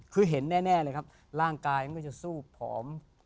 คือเห็นแน่เลยครับร่างกายมันก็จะสู้ผอม